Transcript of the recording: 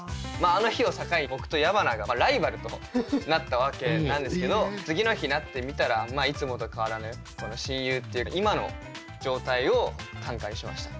あの日を境に僕と矢花がライバルとなったわけなんですけど次の日になってみたらいつもと変わらぬこの親友っていう今の状態を短歌にしました。